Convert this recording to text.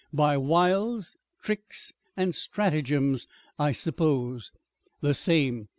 "By wiles, tricks and stratagems, I suppose." "The same.